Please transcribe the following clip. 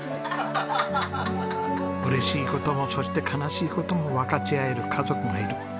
嬉しい事もそして悲しい事も分かち合える家族がいる。